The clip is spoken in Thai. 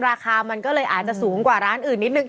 ราคามันก็เลยอาจจะสูงกว่าร้านอื่นนิดนึง